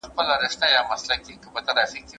د مور غوندې له ما سره ستومان نه شو دا غر